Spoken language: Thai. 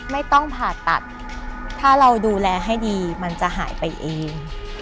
ไม่ต้องผ่าตัดถ้าเราดูแลให้ดีมันจะหายไปเอง